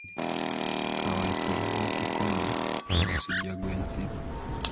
Kaweefube w'okukomya omusujja gw'ensiri